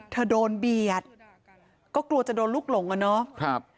เธอโดนเบียดก็กลัวจะโดนลูกหลงอ่ะเนาะ